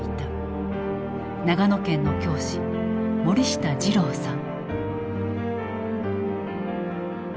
長野県の教師森下二郎さん。